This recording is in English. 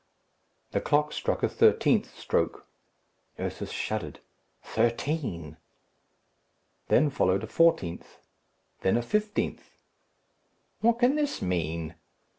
The clock struck a thirteenth stroke. Ursus shuddered. "Thirteen!" Then followed a fourteenth; then a fifteenth. "What can this mean?"